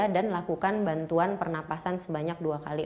dan lakukan bantuan pernafasan sebanyak dua kali